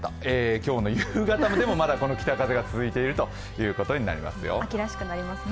今日の夕方でもまだこの北風が続いているということですね。